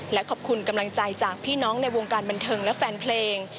และขอบคุณกำลังใจจากพี่น้องในวงการบันเทิงและแฟนเพลง